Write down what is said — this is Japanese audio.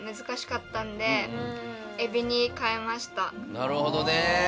なるほどね。